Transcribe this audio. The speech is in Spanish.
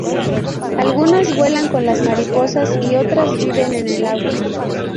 Algunas vuelan con las mariposas, y otras viven en el agua.